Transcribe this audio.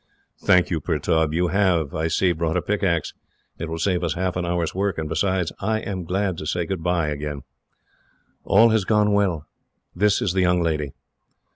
"Thank you, Pertaub. You have, I see, brought a pickaxe. It will save us half an hour's work; and besides, I am glad to say goodbye again. "All has gone well. This is the young lady."